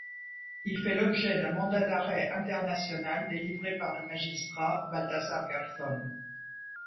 Il fait l'objet d'un mandat d'arrêt international délivré le par le magistrat Baltasar Garzón.